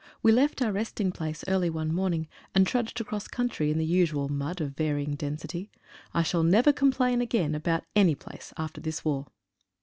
We left our resting place early one morning, and trudged across country in the usual mud of varying density. I shall never complain again about any place after this war.